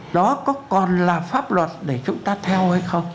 đó có còn là pháp luật để chúng ta theo hay không